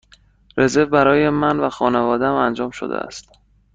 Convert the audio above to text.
رزرو برای من و خانواده ام انجام شده است.